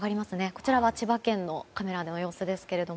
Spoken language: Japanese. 今のは千葉県のカメラの様子ですが。